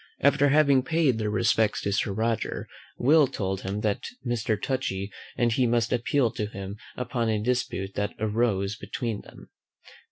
After having paid their respects to Sir Roger, Will told him that Mr. Touchy and he must appeal to him upon a dispute that arose between them.